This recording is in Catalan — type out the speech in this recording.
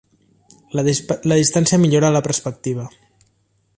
La distància millora la perspectiva.